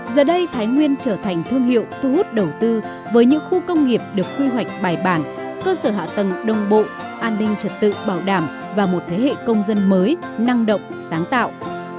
giờ đây thái nguyên trở thành thương hiệu thu hút đầu tư với những khu công nghiệp được quy hoạch bài bản cơ sở hạ tầng đồng bộ an ninh trật tự bảo đảm và một thế hệ công dân mới năng động sáng tạo